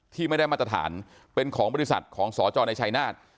ที่ไม่ได้มาตรฐานเป็นของบริษัทของสจในชายนาฏ